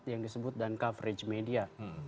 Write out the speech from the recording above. yang disebut coverage media